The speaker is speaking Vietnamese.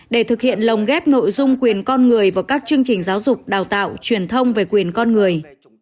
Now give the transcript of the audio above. để thực hiện lồng ghép nội dung quyền con người vào các chương trình giáo dục đào tạo truyền thông về quyền con người